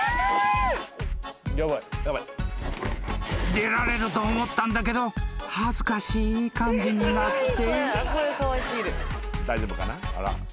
［出られると思ったんだけど恥ずかしい感じになって］